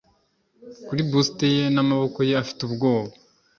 Kuri bust ye namaboko ye afite ubwoba